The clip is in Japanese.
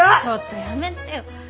ちょっとやめてよ。